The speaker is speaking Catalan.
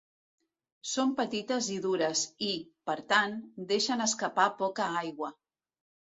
Són petites i dures, i, per tant, deixen escapar poca aigua.